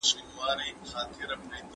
د وخت تېرېدنه انسان زوړ کوی.